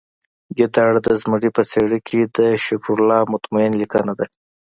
ګیدړ د زمري په څیره کې د شکرالله مطمین لیکنه ده